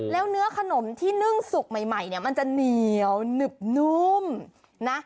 แล้วเนื้อขนมที่นึ่งสุกใหม่เนี่ยมันจะเหนียวหนึบนุ่มนะ